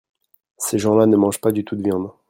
Ces gens-là ne mangent pas du tout de viande.